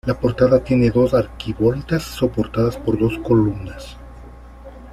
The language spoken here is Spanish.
La portada tiene dos arquivoltas soportadas por dos columnas.